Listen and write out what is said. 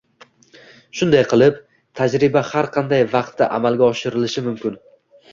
Shunday qilib, tajriba har qanday vaqtda amalga oshirilishi mumkin.